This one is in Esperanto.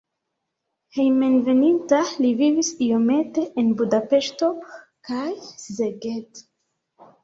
Hejmenveninta li vivis iomete en Budapeŝto kaj Szeged.